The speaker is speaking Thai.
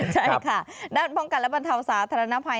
ใช่ค่ะด้านพร้อมการระบันเทาสาธารณภัย